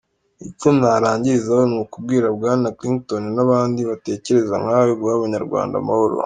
Icyo narangirizaho ni ukubwira Bwana Clinton n’abandi batekereza nkawe guha abanyarwanda amahoro.